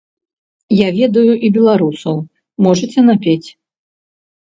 Я ведаю і беларусаў, можаце напець?